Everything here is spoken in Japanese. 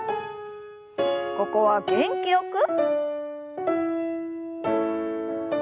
ここは元気よく。